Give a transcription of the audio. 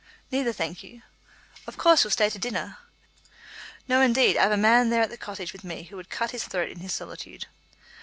"Neither, thank you." "Of course you'll stay to dinner?" "No, indeed. I've a man there at the Cottage with me who would cut his throat in his solitude."